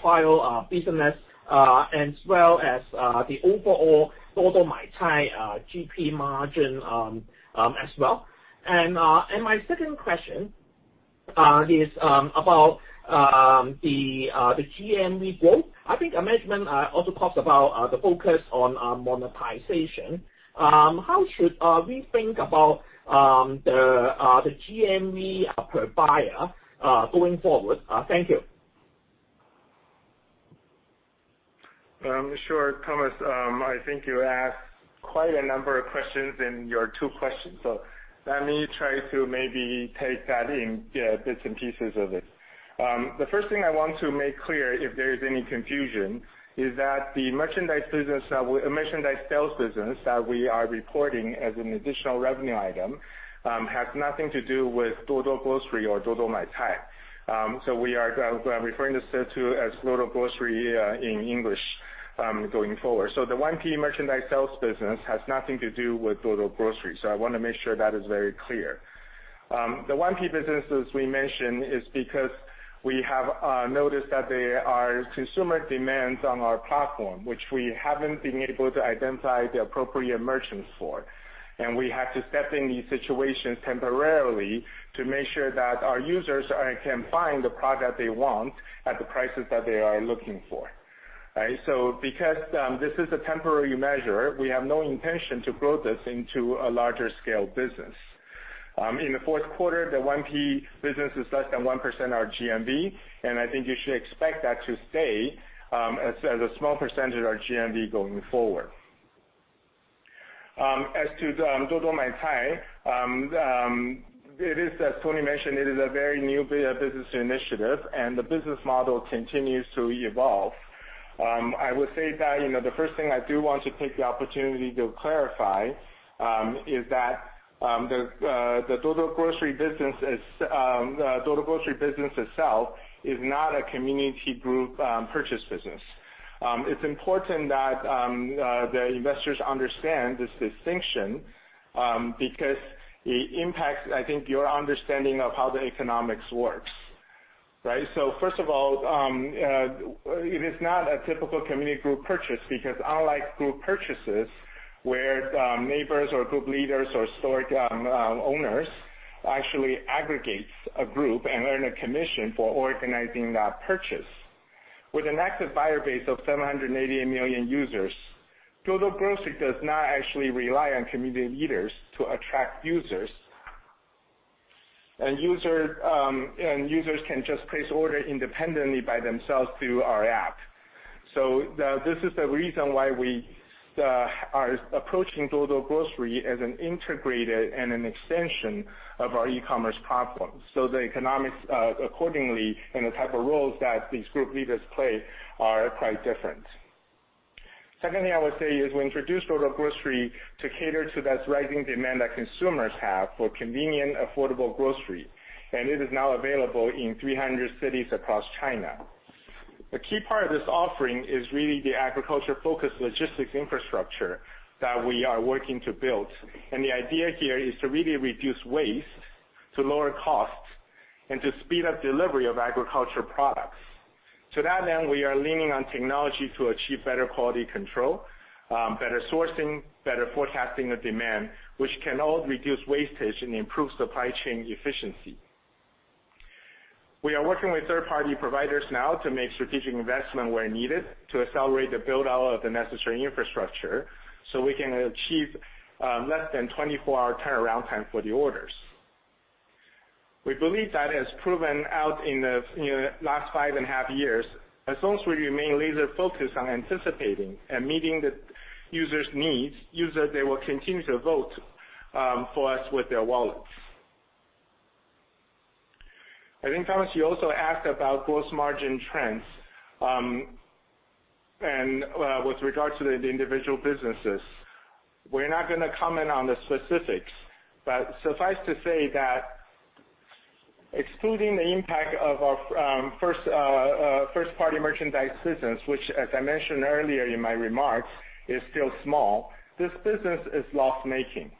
trial business, as well as the overall Duo Duo Maicai GP margin as well. My second question is about the GMV growth. I think management also talks about the focus on monetization. How should we think about the GMV per buyer going forward? Thank you.
Sure, Thomas. I think you asked quite a number of questions in your two questions, so let me try to maybe take that in, yeah, bits and pieces of it. The first thing I want to make clear, if there is any confusion, is that the merchandise business that we Merchandise sales business that we are reporting as an additional revenue item, has nothing to do with Duo Duo Grocery or Duo Duo Maicai. We are referring this to, as Duo Duo Grocery, in English, going forward. The 1P merchandise sales business has nothing to do with Duo Duo Grocery, so I wanna make sure that is very clear. The 1P businesses we mention is because we have noticed that there are consumer demands on our platform, which we haven't been able to identify the appropriate merchants for, and we have to step in these situations temporarily to make sure that our users can find the product they want at the prices that they are looking for. Right? Because this is a temporary measure, we have no intention to grow this into a larger scale business. In the fourth quarter, the 1P business is less than 1% of our GMV, and I think you should expect that to stay as a small percentage of our GMV going forward. As to the Duo Duo Maicai, it is, as Tony mentioned, a very new business initiative, and the business model continues to evolve. I would say that the first thing I do want to take the opportunity to clarify is that the Duo Duo Grocery business itself is not a community group purchase business. It's important that the investors understand this distinction because it impacts your understanding of how the economics works. First of all, it is not a typical community group purchase because unlike group purchases where neighbors or group leaders or store owners actually aggregates a group and earn a commission for organizing that purchase. With an active buyer base of 780 million users, Duo Duo Grocery does not actually rely on community leaders to attract users. Users can just place order independently by themselves through our app. This is the reason why we are approaching Duo Duo Grocery as an integrated and an extension of our e-commerce platform. The economics accordingly and the type of roles that these group leaders play are quite different. Secondly, I would say is we introduced Duo Duo Grocery to cater to that rising demand that consumers have for convenient, affordable grocery, and it is now available in 300 cities across China. A key part of this offering is really the agriculture-focused logistics infrastructure that we are working to build, and the idea here is to really reduce waste, to lower costs, and to speed up delivery of agriculture products. To that end, we are leaning on technology to achieve better quality control, better sourcing, better forecasting of demand, which can all reduce wastage and improve supply chain efficiency. We are working with third-party providers now to make strategic investment where needed to accelerate the build-out of the necessary infrastructure, so we can achieve less than 24-hour turnaround time for the orders. We believe that as proven out in the, you know, last 5.5 years, as long as we remain laser focused on anticipating and meeting the users' needs, users, they will continue to vote for us with their wallets. I think, Thomas, you also asked about gross margin trends, and with regards to the individual businesses. We're not gonna comment on the specifics, but suffice to say that excluding the impact of our first-party merchandise business, which, as I mentioned earlier in my remarks, is still small, this business is loss-making.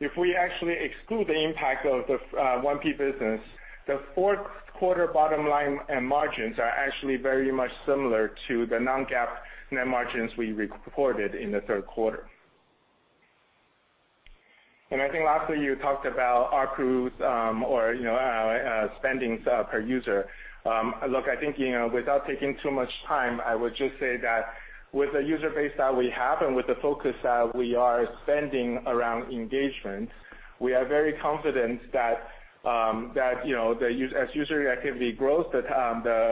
If we actually exclude the impact of the 1P business, the fourth quarter bottom line and margins are actually very much similar to the non-GAAP net margins we reported in the third quarter. I think lastly, you talked about ARPU, or, you know, spendings per user. Look, I think, you know, without taking too much time, I would just say that with the user base that we have and with the focus that we are spending around engagement, we are very confident that, you know, as user activity grows, the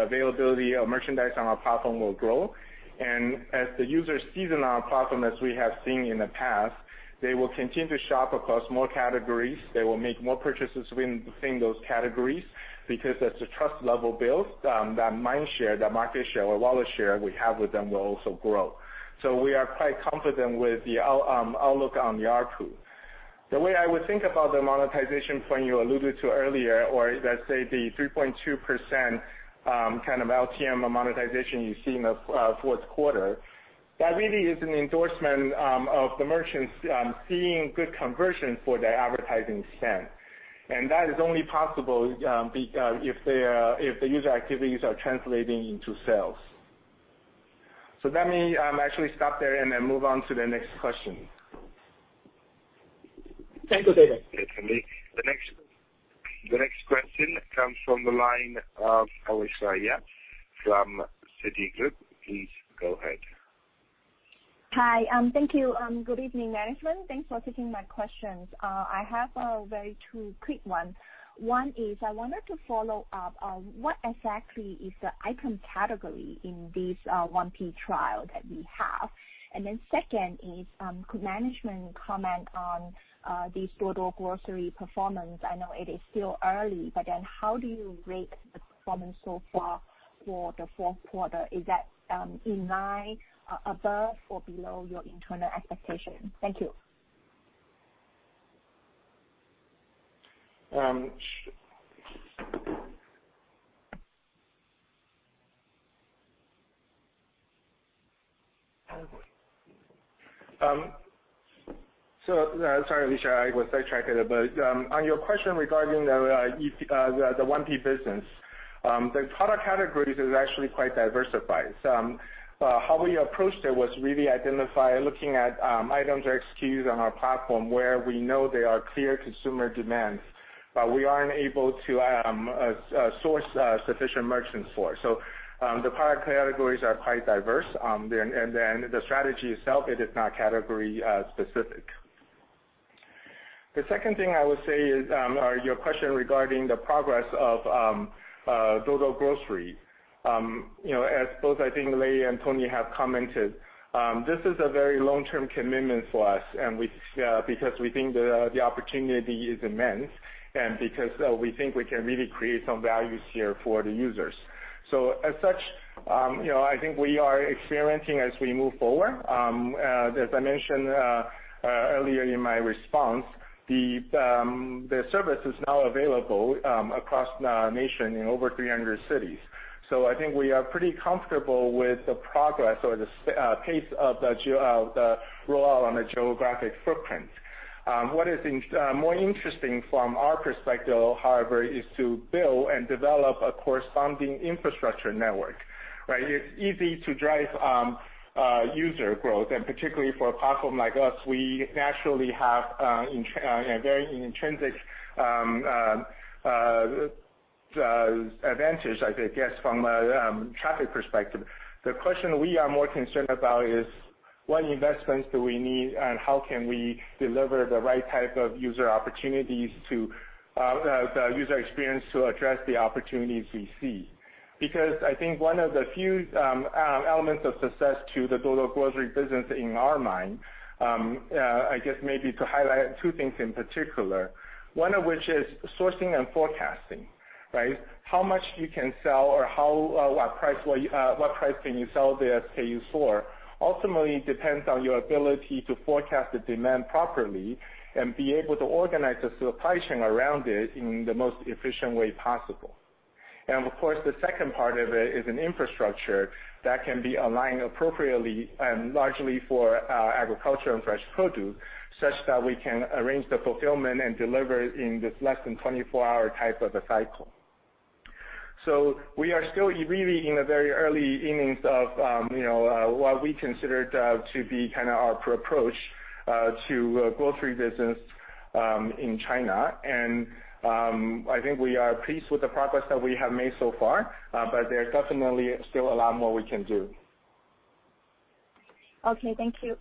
availability of merchandise on our platform will grow. As the users season our platform as we have seen in the past, they will continue to shop across more categories. They will make more purchases within those categories because as the trust level builds, the mindshare, the market share or wallet share we have with them will also grow. We are quite confident with the outlook on the ARPU. The way I would think about the monetization point you alluded to earlier or let's say the 3.2% kind of LTM monetization you see in the fourth quarter. That really is an endorsement of the merchants seeing good conversion for their advertising spend. That is only possible if the user activities are translating into sales. Let me actually stop there and move on to the next question.
Thank you, David.
Okay. The next question comes from the line of Alicia Yap from Citigroup. Please go ahead.
Hi, thank you. Good evening, management. Thanks for taking my questions. I have two quick ones. One is I wanted to follow up on what exactly is the item category in this 1P trial that we have. Second is, could management comment on this Duo Duo Grocery performance? I know it is still early, how do you rate the performance so far for the fourth quarter? Is that in line, above or below your internal expectation? Thank you.
Sorry, Alicia, I was sidetracked a bit. On your question regarding the 1P business, the product categories is actually quite diversified. How we approached it was really identify looking at items or SKUs on our platform where we know there are clear consumer demands, but we aren't able to source sufficient merchants for. The product categories are quite diverse. The strategy itself, it is not category specific. The second thing I would say is are your question regarding the progress of Duo Duo Grocery. you know, as both I think Lei and Tony have commented, this is a very long-term commitment for us, and we because we think the opportunity is immense, and because, we think we can really create some values here for the users. As such, you know, I think we are experimenting as we move forward. As I mentioned, earlier in my response, the service is now available, across the nation in over 300 cities. I think we are pretty comfortable with the progress or the pace of the rollout on the geographic footprint. What is more interesting from our perspective, however, is to build and develop a corresponding infrastructure network, right? It's easy to drive user growth. Particularly for a platform like us, we naturally have a very intrinsic advantage, I guess, from a traffic perspective. The question we are more concerned about is what investments do we need, and how can we deliver the right type of user opportunities to the user experience to address the opportunities we see? I think one of the few elements of success to the Duo Duo Grocery business in our mind, I guess maybe to highlight two things in particular, one of which is sourcing and forecasting, right? How much you can sell or how, what price will you, what price can you sell the SKU for ultimately depends on your ability to forecast the demand properly and be able to organize the supply chain around it in the most efficient way possible. Of course, the second part of it is an infrastructure that can be aligned appropriately and largely for agriculture and fresh produce, such that we can arrange the fulfillment and deliver in this less than 24 hour type of a cycle. We are still really in the very early innings of, you know, what we consider to be kind of our approach to grocery business in China. I think we are pleased with the progress that we have made so far, but there are definitely still a lot more we can do.
Okay. Thank you.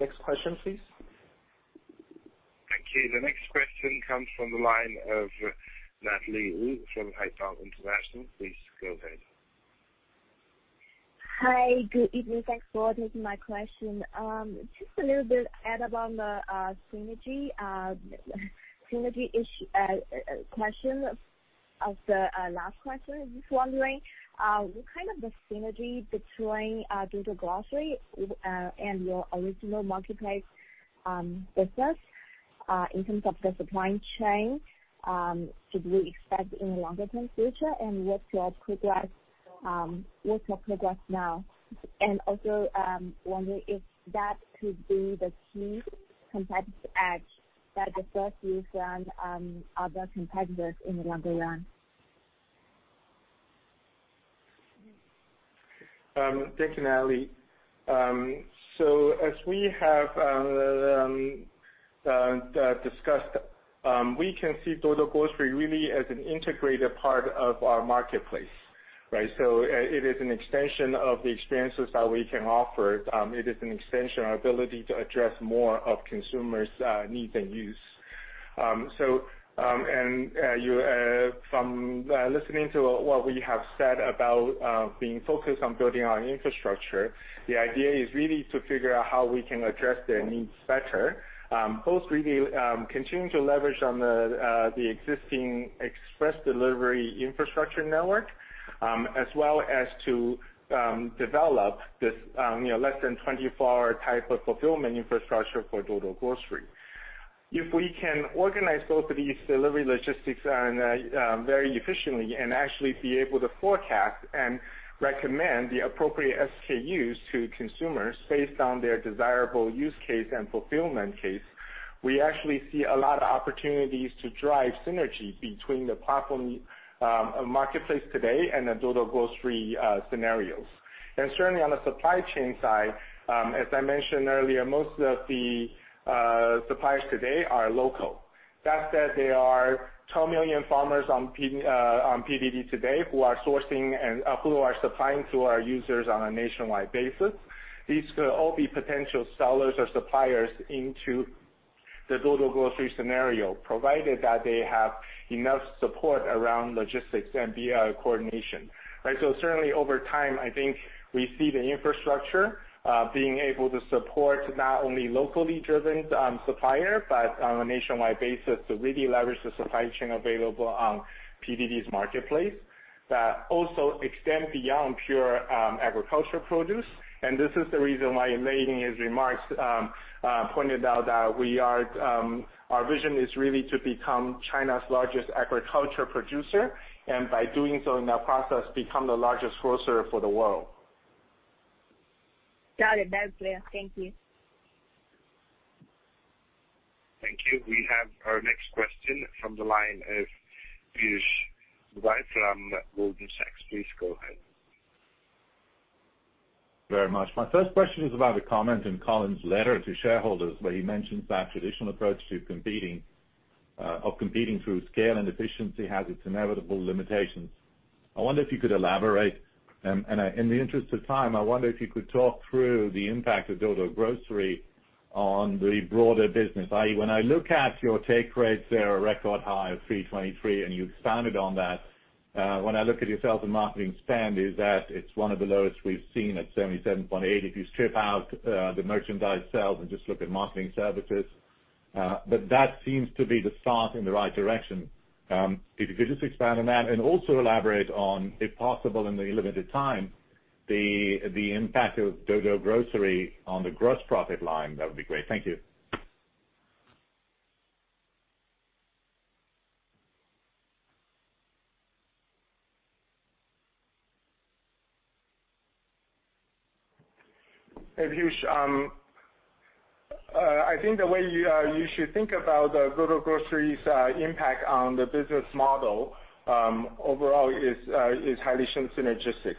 Next question, please.
Thank you. The next question comes from the line of Natalie Wu from Haitong International. Please go ahead.
Hi, good evening. Thanks for taking my question. Just a little bit add about the synergy question of the last question. Just wondering what kind of the synergy between Duo Duo Grocery and your original marketplace business in terms of the supply chain should we expect in the longer-term future, and what's your progress now? Also wondering if that could be the key competitive edge that differs you from other competitors in the longer run.
Thank you, Natalie. As we have discussed, we can see Duo Duo Grocery really as an integrated part of our marketplace, right? It is an extension of the experiences that we can offer. It is an extension of our ability to address more of consumers needs and use. You, from, listening to what we have said about, being focused on building our infrastructure, the idea is really to figure out how we can address their needs better, both really, continuing to leverage on the existing express delivery infrastructure network, as well as to develop this, you know, less than 24-hour type of fulfillment infrastructure for Duo Duo Grocery. If we can organize both of these delivery logistics and very efficiently and actually be able to forecast and recommend the appropriate SKUs to consumers based on their desirable use case and fulfillment case, we actually see a lot of opportunities to drive synergy between the platform, of marketplace today and the Duo Duo Grocery scenarios. Certainly, on the supply chain side, as I mentioned earlier, most of the suppliers today are local. That said, there are 12 million farmers on PDD today who are sourcing and who are supplying to our users on a nationwide basis. These could all be potential sellers or suppliers into the Duo Duo Grocery scenario, provided that they have enough support around logistics and via coordination, right? Certainly, over time, I think we see the infrastructure being able to support not only locally driven supplier, but on a nationwide basis to really leverage the supply chain available on PDD's marketplace, that also extend beyond pure agriculture produce. This is the reason why in Lei's remarks pointed out that we are our vision is really to become China's largest agriculture producer, and by doing so in that process, become the largest grocer for the world.
Got it. That's clear. Thank you.
Thank you. We have our next question from the line of Piyush Mubayi from Goldman Sachs. Please go ahead.
Very much. My first question is about a comment in Colin's letter to shareholders, where he mentions that traditional approach to competing, of competing through scale and efficiency has its inevitable limitations. I wonder if you could elaborate, in the interest of time, I wonder if you could talk through the impact of Duo Duo Grocery on the broader business. When I look at your take rates, they are a record high of 323, and you expanded on that. When I look at your sales and marketing spend is that it's one of the lowest we've seen at 77.8% if you strip out the merchandise sales and just look at marketing services. That seems to be the start in the right direction. If you could just expand on that and also elaborate on, if possible, in the limited time, the impact of Duo Duo Grocery on the gross profit line, that would be great. Thank you.
Hey, Piyush. I think the way you should think about Duo Duo Grocery's impact on the business model overall is highly synergistic,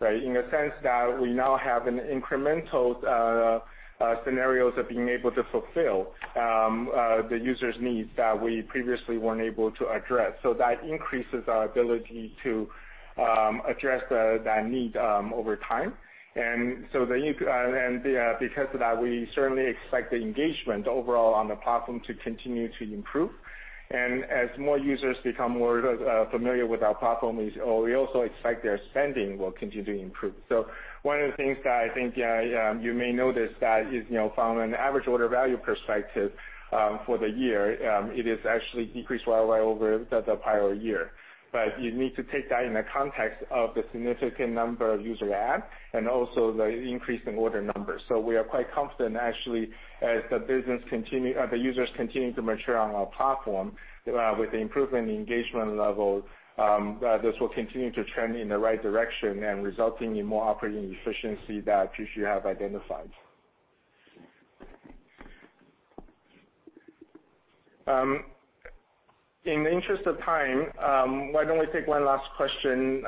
right? In a sense that we now have an incremental scenarios of being able to fulfill the user's needs that we previously weren't able to address. That increases our ability to address that need over time. Because of that, we certainly expect the engagement overall on the platform to continue to improve. As more users become more familiar with our platform, we also expect their spending will continue to improve. One of the things that I think, you may notice that is, you know, from an average order value perspective, for the year, it is actually decreased right away over the prior year. You need to take that in the context of the significant number of user add and also the increase in order numbers. We are quite confident actually, as the users continue to mature on our platform, with the improvement in engagement level, this will continue to trend in the right direction and resulting in more operating efficiency that Piyush you have identified. In the interest of time, why don't we take one last question.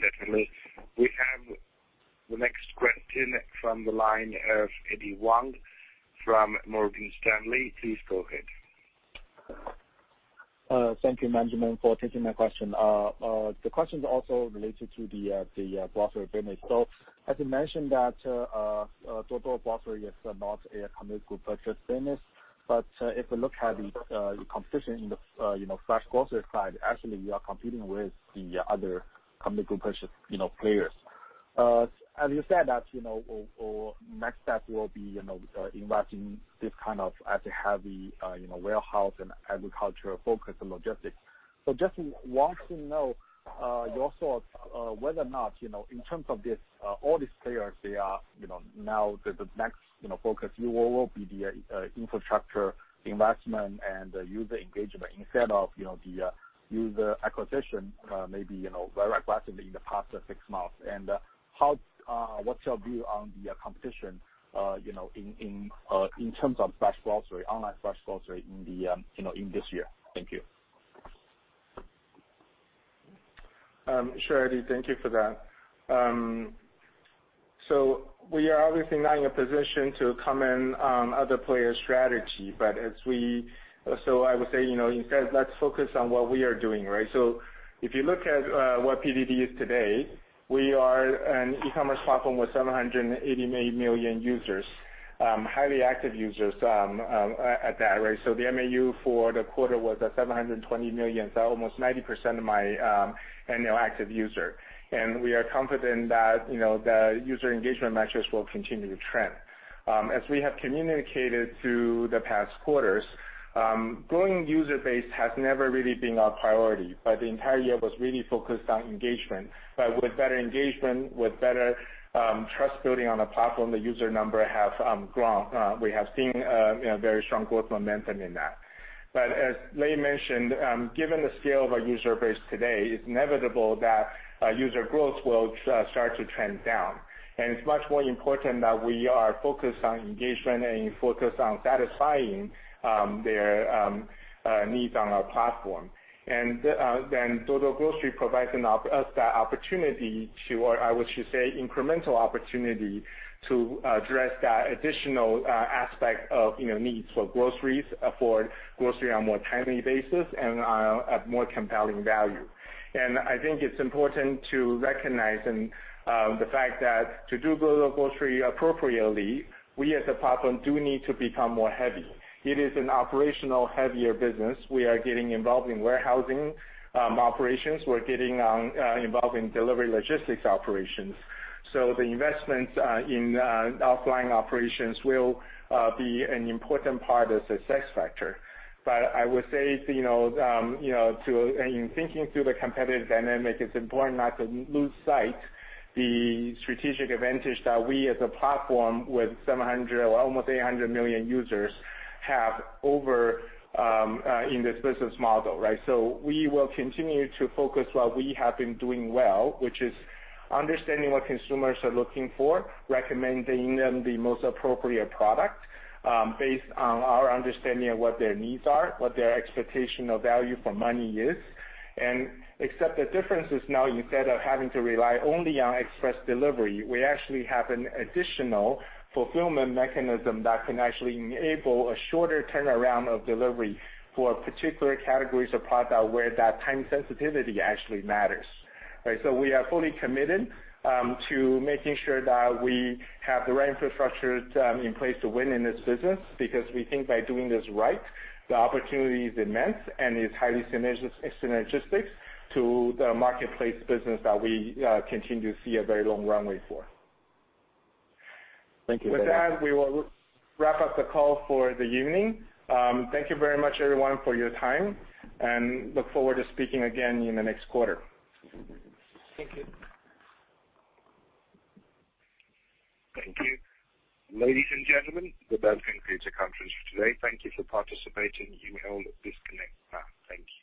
Definitely. We have the next question from the line of Eddy Wang from Morgan Stanley. Please go ahead.
Thank you, management, for taking my question. The question is also related to the grocery business. As you mentioned that Duo Duo Grocery is not a community group purchase business, but if we look at the competition in the, you know, fresh grocery side, actually you are competing with the other community group purchase, you know, players. As you said that, you know, our next step will be, you know, investing this kind of as a heavy, you know, warehouse and agriculture focus on logistics. Just want to know, your thoughts, whether or not, you know, in terms of this, all these players, they are, you know, now the next, you know, focus will, will be the infrastructure investment and user engagement instead of, you know, the user acquisition, maybe, you know, very aggressively in the past six months. How, what's your view on the competition, you know, in, in terms of fresh grocery, online fresh grocery in the, you know, in this year? Thank you.
Sure, Eddy, thank you for that. We are obviously not in a position to comment on other players' strategy. I would say, you know, instead, let's focus on what we are doing, right? If you look at what PDD is today, we are an e-commerce platform with 788 million users, highly active users at that, right? The MAU for the quarter was at 720 million, almost 90% of my annual active user. We are confident that, you know, the user engagement measures will continue to trend. As we have communicated through the past quarters, growing user base has never really been our priority, but the entire year was really focused on engagement. With better engagement, with better trust building on the platform, the user number have grown. We have seen, you know, very strong growth momentum in that. As Lei mentioned, given the scale of our user base today, it's inevitable that user growth will start to trend down. It's much more important that we are focused on engagement and focused on satisfying their needs on our platform. The then Duo Duo Grocery provides us that opportunity to, or I should say, incremental opportunity to address that additional aspect of, you know, needs for groceries, for grocery on more timely basis and at more compelling value. I think it's important to recognize and the fact that to do Duo Duo Grocery appropriately, we as a platform do need to become more heavy. It is an operational heavier business. We are getting involved in warehousing, operations. We're getting on, involved in delivery logistics operations. The investments in offline operations will be an important part of success factor. I would say, you know, In thinking through the competitive dynamic, it's important not to lose sight the strategic advantage that we as a platform with 700, almost 800 million users have over in this business model, right? We will continue to focus what we have been doing well, which is understanding what consumers are looking for, recommending them the most appropriate product, based on our understanding of what their needs are, what their expectation of value for money is. Except the difference is now instead of having to rely only on express delivery, we actually have an additional fulfillment mechanism that can actually enable a shorter turnaround of delivery for particular categories of product where that time sensitivity actually matters. We are fully committed to making sure that we have the right infrastructure in place to win in this business because we think by doing this right, the opportunity is immense and is highly synergistic to the marketplace business that we continue to see a very long runway for.
Thank you very much.
With that, we will wrap up the call for the evening. Thank you very much everyone for your time. Look forward to speaking again in the next quarter.
Thank you.
Thank you. Ladies and gentlemen, that does conclude the conference for today. Thank you for participating. You may all disconnect now. Thank you.